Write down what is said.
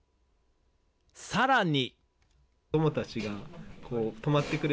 さらに。